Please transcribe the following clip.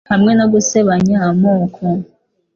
hamwe no gusebanya amoko